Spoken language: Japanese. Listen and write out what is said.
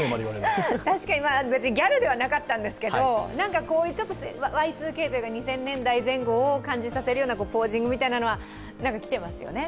別にギャルではなかったんですけど、ちょっとＹ２Ｋとか２０００年代前後を感じさせるようなポージングは何かきてますよね。